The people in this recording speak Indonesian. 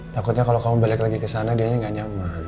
takutnya kalo kamu balik lagi kesana dianya gak nyaman